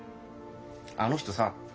あの人さ